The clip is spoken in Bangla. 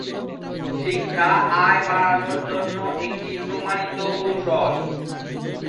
শিক্ষা আয় বাড়ানোর জন্য একটি প্রমাণিত কৌশল।